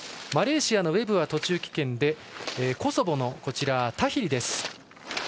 マレーシアのウェブは途中棄権でコソボのタヒリです。